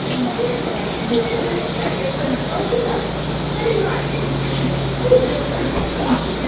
I dare say I can do a bit of detective work as well as another, and in my opinion, Richard, there's no time to be lost.